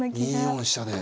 ２四飛車で。